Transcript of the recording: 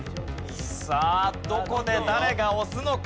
さあどこで誰が押すのか？